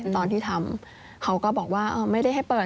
ตอนที่ทำเขาก็บอกว่าไม่ได้ให้เปิด